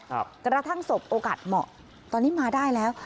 กระทั่งศพโอกาสเหมาะตอนนี้มาได้แล้ว